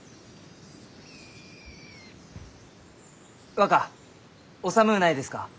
若お寒うないですか？